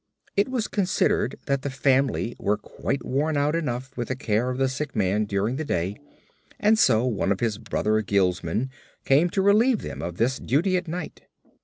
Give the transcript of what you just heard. It was considered that the family were quite worn out enough with the care of the sick man during the day, and so one of his brother guildsmen came to relieve them of this duty at night.